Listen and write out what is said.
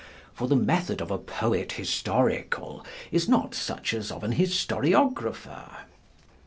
For the methode of a poet historical is not such as of an historiographer.